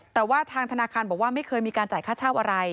แต่ว่าทางธนาคารบอกว่าไม่เคยมีการจ่ายค่าเช่าอะไร